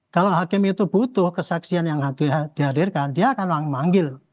kalau hakim itu butuh kesaksian yang dihadirkan dia akan manggil